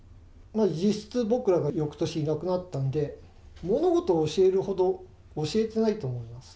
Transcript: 実質、僕らがよくとしいなくなったんで、物事を教えるほど教えてないと思います。